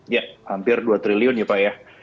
ya hampir dua triliun ya pak ya